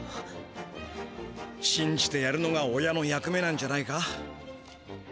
しんじてやるのが親の役目なんじゃないか？